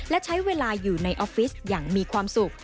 และใช้เวลาอยู่ในออฟฟิศอย่างมีความสุข